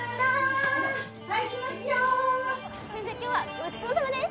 先生今日はごちそうさまです！